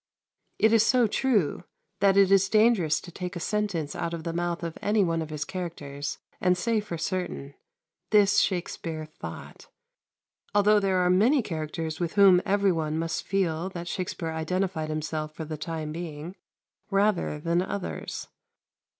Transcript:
It is so true, that it is dangerous to take a sentence out of the mouth of any one of his characters and say for certain, "This Shakspere thought," although there are many characters with whom every one must feel that Shakspere identified himself for the time being rather than others.